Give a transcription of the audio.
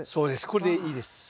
これでいいです。